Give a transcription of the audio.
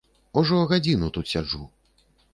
Ужо гадзіну тут сяджу.